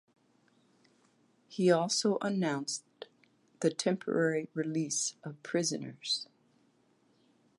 He also announced the temporary release of prisoners.